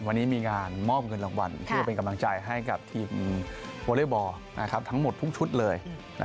วันนี้มีงานมอบเงินรางวัลเพื่อเป็นกำลังใจให้กับทีมวอเล็กบอลทั้งหมดทุกชุดเลย